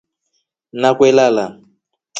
NA kwelala.